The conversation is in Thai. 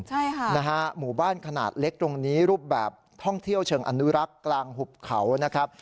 ใช่ค่ะนะฮะหมู่บ้านขนาดเล็กตรงนี้รูปแบบท่องเที่ยวเชิงอนุรักษ์กลางหุบเขานะครับ